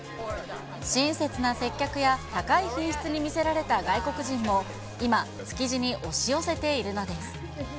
親切な接客や、高い品質に魅せられた外国人も今、築地に押し寄せているのです。